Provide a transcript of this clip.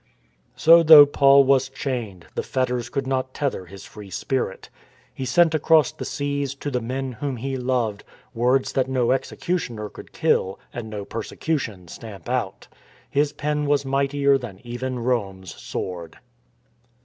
So though Paul was chained, the fetters could not tether his free spirit. He sent across the seas, to the men whom he loved, words that no executioner could kill and no persecution stamp out. His pen was mightier than even Rome's sword.